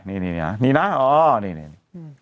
นี่นะนี่นะอ๋อนี่